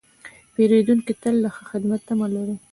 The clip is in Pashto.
پیرودونکی تل د ښه خدمت تمه لري.